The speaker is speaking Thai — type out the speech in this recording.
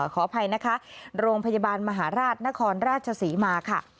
ขออภัยนะคะโรงพยาบาลมหาราชนครราชศรีมาค่ะ